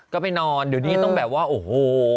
ก็ไปนอนเดี๋ยวนี้ต้องแบบว่าโอ้โห